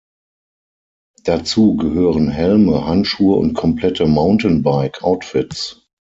Dazu gehören Helme, Handschuhe und komplette Mountainbike-Outfits.